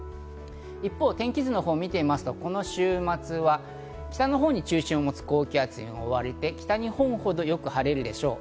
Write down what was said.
一方、天気図を見ますと、この週末は北のほうに中心を持つ高気圧に覆われて北日本ほど、よく晴れるでしょう。